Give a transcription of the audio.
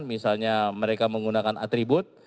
misalnya mereka menggunakan atribut